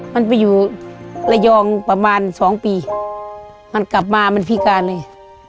มันไปอยู่ระยองประมาณสองปีมันกลับมามันพิการเลย